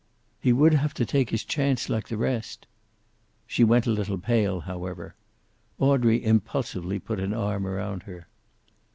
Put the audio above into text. "He would have to take his chance, like the rest." She went a little pale, however. Audrey impulsively put an arm around her.